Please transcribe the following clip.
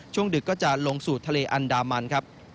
ดึกก็จะลงสู่ทะเลอันดามันครับ